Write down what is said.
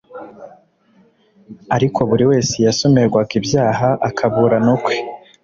ariko buri wese yasomerwaga ibyaha akaburana ukwe